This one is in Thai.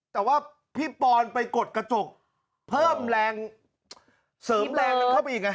แต่ว่าพี่ปอนไปกดกระจกเพิ่มแรงเสริมแรงมันเข้าไปอีกไง